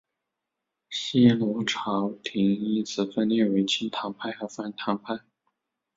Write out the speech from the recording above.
新罗朝延因此分裂为亲唐派和反唐派。